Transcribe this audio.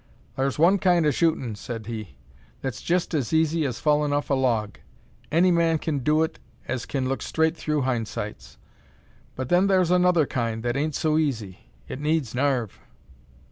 "Thar's one kind o' shootin'," said he, "that's jest as easy as fallin' off a log. Any man kin do it as kin look straight through hind sights. But then thar's another kind that ain't so easy; it needs narve."